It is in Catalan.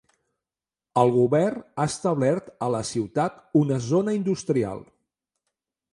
El govern ha establert a la ciutat una zona industrial.